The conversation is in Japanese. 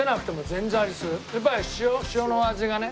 やっぱり塩の味がね。